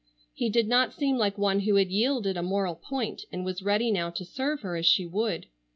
He did not seem like one who had yielded a moral point and was ready now to serve her as she would.